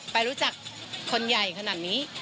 ไปรู้จักคนใหญ่ขนาดนี้